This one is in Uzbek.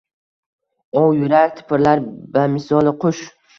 O, yurak tipirlar bamisoli qush!